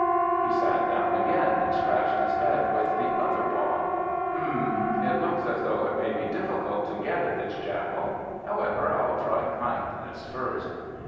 He sat down again, and scratched his head with the other paw. "H'm! it looks as though it may be difficult to get at this Jackal. However, I'll try kindness first.